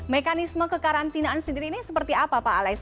mekanisme kekarantinaan sendiri ini seperti apa pak alex